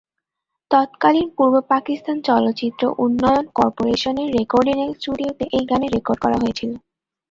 তৎকালীন পূর্ব পাকিস্তান চলচ্চিত্র উন্নয়ন কর্পোরেশন-এর রেকর্ডিং স্টুডিওতে এই গানের রেকর্ড করা হয়েছিল।